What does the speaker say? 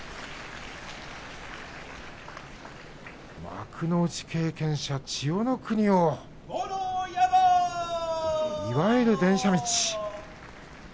幕内経験者、千代の国をいわゆる電車道。